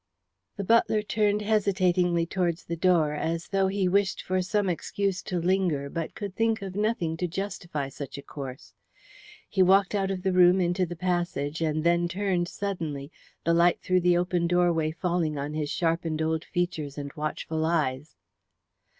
The butler turned hesitatingly towards the door, as though he wished for some excuse to linger, but could think of nothing to justify such a course. He walked out of the room into the passage, and then turned suddenly, the light through the open doorway falling on his sharpened old features and watchful eyes.